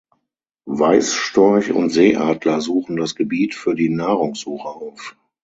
Weißstorch und Seeadler suchen das Gebiet für die Nahrungssuche auf.